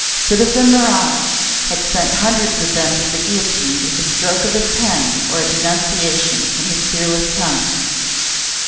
Citizen Marat had sent hundreds of them to the guillotine with a stroke of his pen or a denunciation from his fearless tongue.